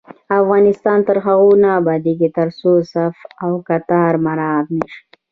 افغانستان تر هغو نه ابادیږي، ترڅو صف او کتار مراعت نشي.